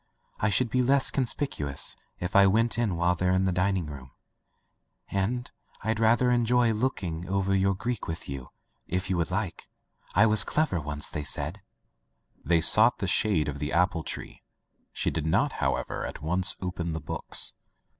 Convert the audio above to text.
I should be less conspicu ous if I went in while they're in the dining room. .., And I'd rather enjoy looking [ 293 ] Digitized by LjOOQ IC Interventions over your Greek with you, if you like. I was clever once,. they said/* They sought the shade of the apple tree. She did not, however, at once open the books.